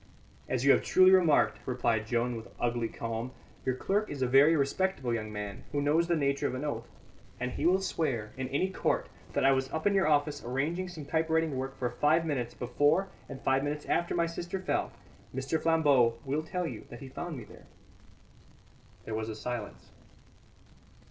"As you have truly remarked," replied Joan, with ugly calm, "your clerk is a very respectable young man, who knows the nature of an oath; and he will swear in any court that I was up in your office arranging some typewriting work for five minutes before and five minutes after my sister fell. Mr. Flambeau will tell you that he found me there." There was a silence.